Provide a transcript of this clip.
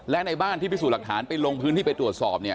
และในนึงบ้านไปสู่หลักฐานไปลงพื้นที่ไปตรวจสอบเนี่ย